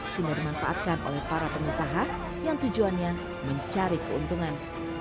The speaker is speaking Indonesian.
yang dimanfaatkan oleh para penyusaha yang tujuannya mencari keuntungan